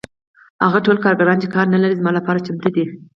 هغه ټول کارګران چې کار نلري زما لپاره چمتو دي